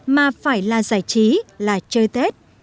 mà phải là giải trí là chơi tết